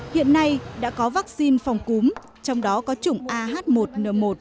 hiện nay đã có vaccine phòng cúm trong đó có chủng ah một n một